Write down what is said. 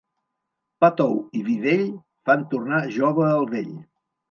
Pa tou i vi vell fan tornar jove el vell.